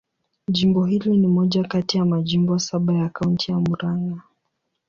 Jimbo hili ni moja kati ya majimbo saba ya Kaunti ya Murang'a.